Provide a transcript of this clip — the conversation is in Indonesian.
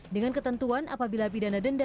dengan ketentuan apabila pidana denda